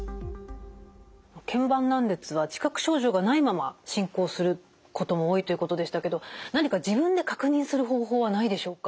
けん板断裂は自覚症状がないまま進行することも多いということでしたけど何か自分で確認する方法はないでしょうか？